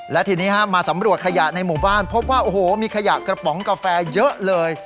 และทีนี้มาสำรวจขยะในหมู่บ้านพบว่าโอ้โหมีขยะกระป๋องกาแฟเยอะเลย